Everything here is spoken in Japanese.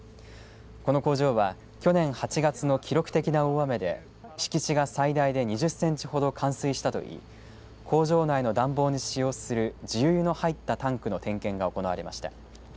この工場は去年８月の記録的な大雨で敷地が最大２０センチほど冠水したといい工場内の暖房に使用する重油の入ったタンクの点検が行われました。